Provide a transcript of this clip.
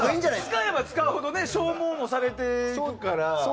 使えば使うほど消耗もされていくから。